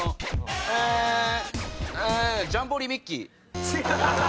「Ａｈ」ジャンボリミッキー。